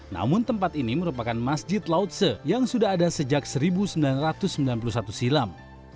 namun tempat ini merupakan masjid lautse yang sudah ada sejak seribu sembilan ratus sembilan puluh satu silam